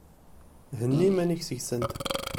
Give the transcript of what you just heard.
Henni iman-ik seg-sent!